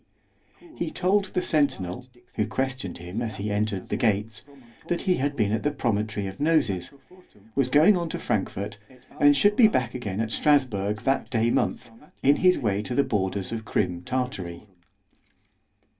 _ He told the centinel, who questioned him as he entered the gates, that he had been at the Promontory of NOSES—was going on to Frankfort——and should be back again at Strasburg that day month, in his way to the borders of _Crim Tartary.